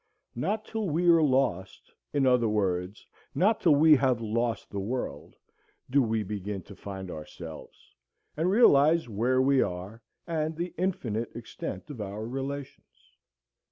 Not till we are lost, in other words not till we have lost the world, do we begin to find ourselves, and realize where we are and the infinite extent of our relations.